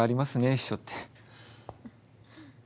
秘書って。